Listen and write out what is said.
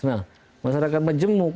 nah masyarakat majemuk